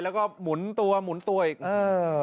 แล้วก็หมุนตัวหมุนตัวอีกเออ